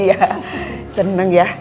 iya seneng ya